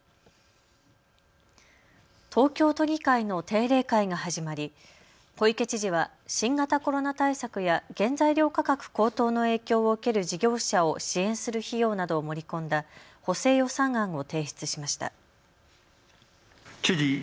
東京都議会の定例会が始まり小池知事は新型コロナ対策や原材料価格高騰の影響を受ける事業者を支援する費用などを盛り込んだ補正予算案を提出しました。